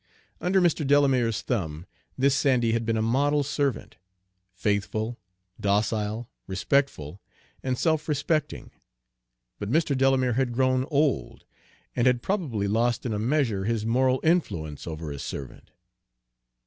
Under Mr. Delamere's thumb this Sandy had been a model servant, faithful, docile, respectful, and self respecting; but Mr. Delamere had grown old, and had probably lost in a measure his moral influence over his servant.